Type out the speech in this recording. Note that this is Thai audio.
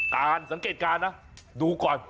มาครั้งนี้มันจะมากินกินขนุนครับ